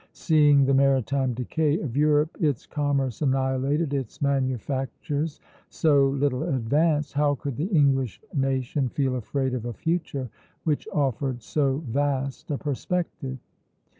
Seeing the maritime decay of Europe, its commerce annihilated, its manufactures so little advanced, how could the English nation feel afraid of a future which offered so vast a perspective?"